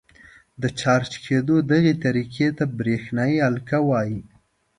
د چارج کېدو دغې طریقې ته برېښنايي القاء وايي.